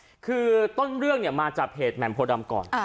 คือต้นเรื่องเนี่ยมาจากเพจแหม่มโพดำก่อน